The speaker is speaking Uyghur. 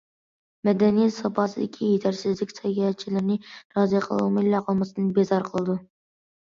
مەدەنىيەت ساپاسىدىكى يېتەرسىزلىك ساياھەتچىلەرنى رازى قىلالمايلا قالماستىن، بىزار قىلىدۇ.